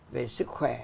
về sức khỏe